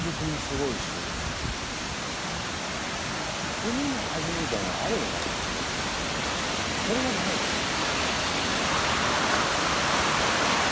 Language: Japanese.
炭の味みたいなのあるのかなと思ったけどそれはないですね。